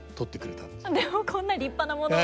でもこんな立派なものを。